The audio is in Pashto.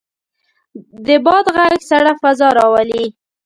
د باد غږ سړه فضا راولي.